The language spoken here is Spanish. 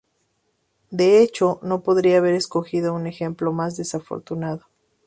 De hecho, no podría haber escogido un ejemplo más desafortunado.